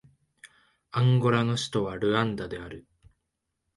アンゴラの首都はルアンダである